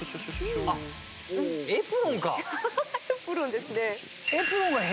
エプロンですね。